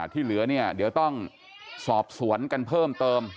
ที่เหลือเนี่ยเดี๋ยวต้องสอบสวนกันเพิ่มเติม